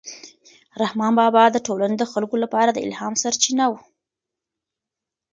رحمان بابا د ټولنې د خلکو لپاره د الهام سرچینه و.